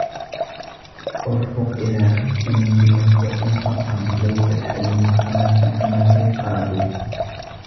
اُرْفُقْ إذَا خِفْتَ مِنْ ذِي هَفْوَةٍ خَرَقًا لَيْسَ الْحَلِيمُ كَمَنْ فِي أَمْرِهِ خَرَقُ